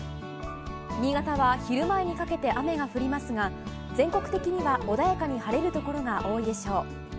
新潟は昼前にかけて雨が降りますが全国的には、穏やかに晴れるところが多いでしょう。